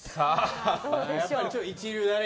一流だね。